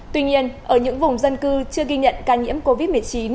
tuy nhiên ở những vùng dân cư chưa ghi nhận ca nhiễm covid một mươi chín